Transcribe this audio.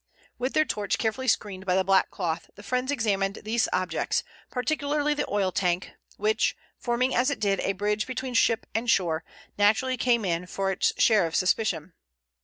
With their torch carefully screened by the black cloth the friends examined these objects, particularly the oil tank which, forming as it did a bridge between ship and shore, naturally came in for its share of suspicion.